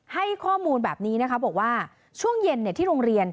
ให้ข้อมูลแบบนี้นะคะบอกว่าช่วงเย็นที่โรงเรียน